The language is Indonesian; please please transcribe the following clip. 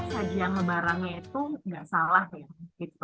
sajian lebarannya itu nggak salah ya